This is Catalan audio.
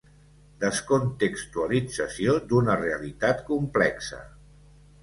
Descontextualització d’una realitat complexa.